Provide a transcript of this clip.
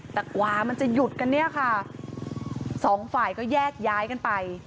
แต่กว่ามันจะหยุดกันเนี่ยค่ะสองฝ่ายก็แยกย้ายกันไป